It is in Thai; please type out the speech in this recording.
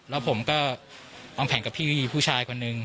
แล้วผมก็วางแผนกับพี่ผู้ชายคนนึง